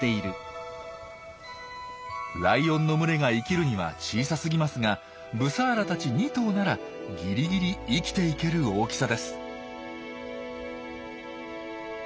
ライオンの群れが生きるには小さすぎますがブサーラたち２頭ならギリギリ生きていける大きさです。